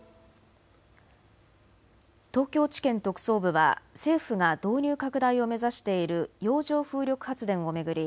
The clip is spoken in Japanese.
東京地検特捜部は政府が導入拡大を目指している洋上風力発電を巡り